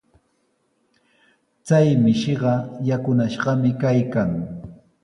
Chay mishiqa yakunashqami kaykan.